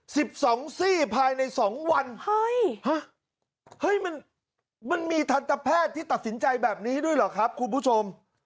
สิบสองซี่ภายในสองวันเฮ้ยฮะเฮ้ยมันมันมีทันตแพทย์ที่ตัดสินใจแบบนี้ด้วยเหรอครับคุณผู้ชม